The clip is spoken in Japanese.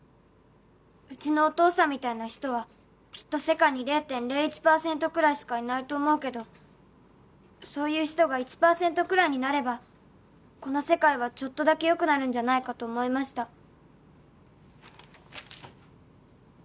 「うちのお父さんみたいな人はきっと世界に０．０１パーセントくらいしかいないと思うけどそういう人が１パーセントくらいになればこの世界はちょっとだけ良くなるんじゃないかと思いました」